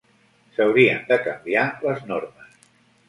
S'haurien de canviar les normes.